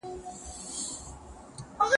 خیبر ته سرود